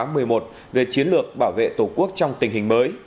nghị quyết trung ương tám khóa một mươi một về chiến lược bảo vệ tổ quốc trong tình hình mới